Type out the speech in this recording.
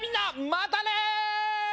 またね！